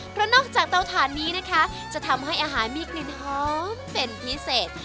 เพราะนอกจากเตาถ่านนี้นะคะจะทำให้อาหารมีกลิ่นหอมเป็นพิเศษ